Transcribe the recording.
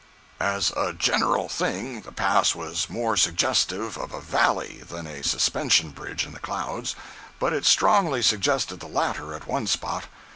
100.jpg (164K) As a general thing the Pass was more suggestive of a valley than a suspension bridge in the clouds—but it strongly suggested the latter at one spot.